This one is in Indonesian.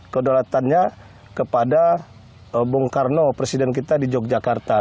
kedaulatannya kepada bung karno presiden kita di yogyakarta